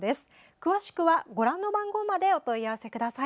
詳しくはご覧の番号までお問い合わせください。